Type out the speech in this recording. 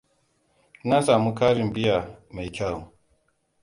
Na samu karin biya mai kyau.